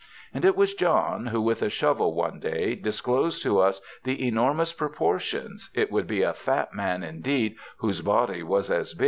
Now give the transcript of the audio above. And it was John, who with a shovel one day disclosed to us the enor mous proportions — it would be a fat man indeed whose body was as bi.